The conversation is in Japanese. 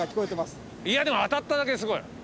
いやでも当たっただけすごい。